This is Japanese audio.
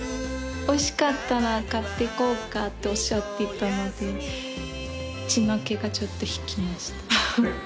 おいしかったら買っていこうかっておっしゃっていたので血の気がちょっと引きました。